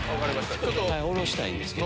下ろしたいんですけど。